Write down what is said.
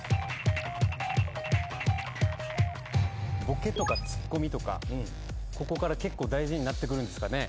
ボケとかツッコミとかここから結構大事になってくるんですかね。